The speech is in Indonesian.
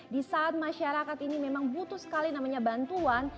di saat masyarakat ini memang butuh sekali namanya bantuan